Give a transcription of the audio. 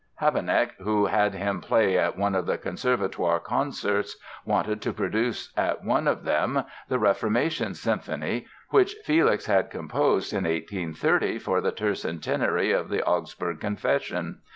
Habeneck, who had him play at one of the Conservatoire concerts, wanted to produce at one of them the "Reformation" Symphony, which Felix had composed in 1830 for the tercentenary of the Augsburg Confession.